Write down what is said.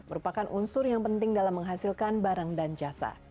merupakan unsur yang penting dalam menghasilkan barang dan jasa